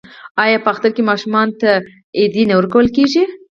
آیا په اختر کې ماشومانو ته ایډي نه ورکول کیږي؟